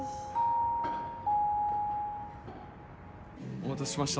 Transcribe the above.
お待たせしました。